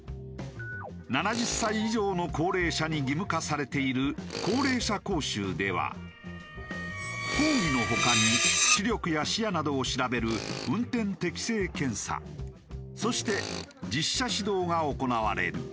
７０歳以上の高齢者に義務化されている高齢者講習では講義の他に視力や視野などを調べる運転適性検査そして実車指導が行われる。